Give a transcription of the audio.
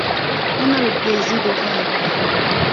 On a le plaisir de vaincre.